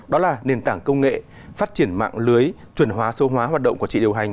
đó là nền tảng công nghệ phát triển mạng lưới chuẩn hóa sâu hóa hoạt động quản trị điều hành